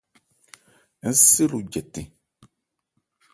Ń se lo jɛtɛn.